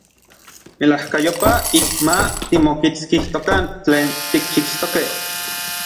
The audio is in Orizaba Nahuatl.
Melajkayopaj ik ma timokitskijtokan tlen tikchixtokej.